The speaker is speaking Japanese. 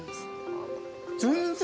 全然。